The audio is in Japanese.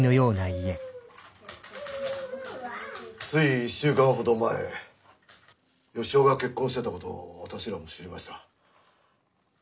つい１週間ほど前義雄が結婚してたことを私らも知りました。